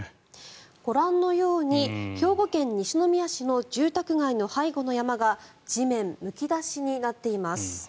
ご覧のように兵庫県西宮市の住宅街の背後の山が地面むき出しになっています。